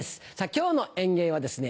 今日の演芸はですね